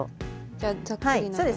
じゃあざっくりな感じ。